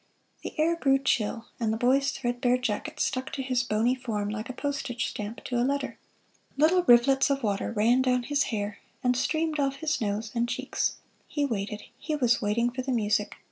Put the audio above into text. The air grew chill and the boy's threadbare jacket stuck to his bony form like a postage stamp to a letter. Little rivulets of water ran down his hair and streamed off his nose and cheeks. He waited he was waiting for the music.